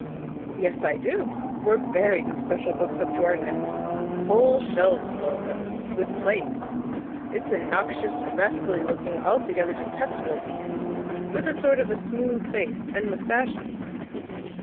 "Yes; I do. We're buried in special books up to our necks—whole shelves full of them—with plates. ... It's a noxious, rascally looking, altogether detestable beast, with a sort of smooth face and moustaches."